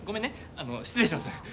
あの、失礼します。